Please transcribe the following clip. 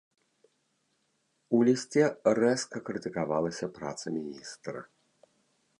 У лісце рэзка крытыкавалася праца міністра.